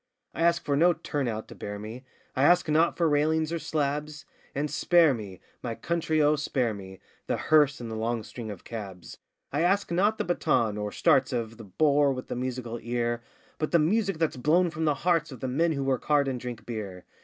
I ask for no 'turn out' to bear me; I ask not for railings or slabs, And spare me! my country oh, spare me! The hearse and the long string of cabs! I ask not the baton or 'starts' of The bore with the musical ear, But the music that's blown from the hearts of The men who work hard and drink beer.